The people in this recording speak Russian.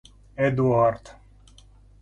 Эдуард